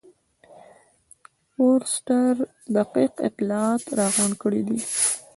فورسټر دقیق اطلاعات راغونډ کړي دي.